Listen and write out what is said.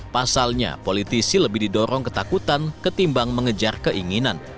pasalnya politisi lebih didorong ketakutan ketimbang mengejar keinginan